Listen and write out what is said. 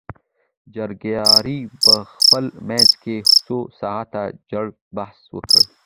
جرګمارو په خپل منځ کې څو ساعاته جړ بحث وکړ.